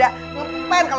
hari ini kita pertama kali